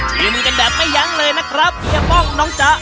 ที่มึงกันแบบมะยังเลยนะครับเฮียปองน้องจ๊ะ